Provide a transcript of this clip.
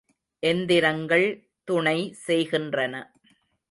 எந்திரங்கள் துணை செய்கின்றன.